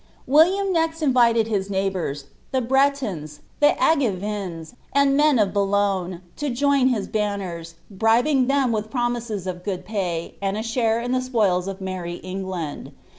William next invited his neighbours, the Bretons, the Angevins, and men of Boulogne, to join his l»nners, bribing them with promises of good pay, and a share in the spoils of merrie England.